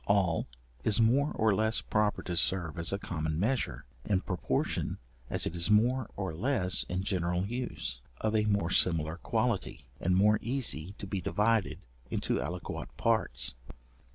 All is more or less proper to serve as a common measure, in proportion as it is more or less in general use, of a more similar quality, and more easy to be divided into aliquot parts.